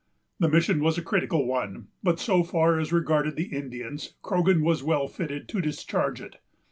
The mission was a critical one; but, so far as regarded the Indians, Croghan was well fitted to discharge it.